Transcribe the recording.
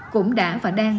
cũng đã và đang